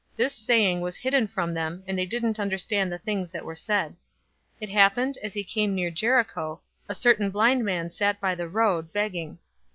This saying was hidden from them, and they didn't understand the things that were said. 018:035 It happened, as he came near Jericho, a certain blind man sat by the road, begging.